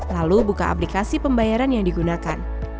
lalu buka aplikasi pembayaran yang digunakan